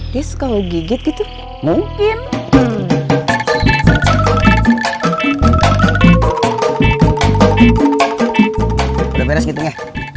diskogigit itu mungkin udah beres gitu ya